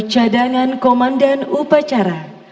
cadangan komandan upacara